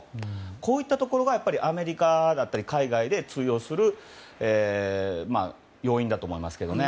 こういったところがアメリカだったり、海外で通用する要因だと思いますけどね。